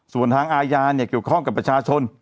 ส่วนทางอาญาเนี่ยเกี่ยวข้องกับประชาชน